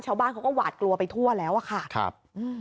เช้าบ้านเขาก็หวาดกลัวไปทั่วแล้วค่ะอืมครับ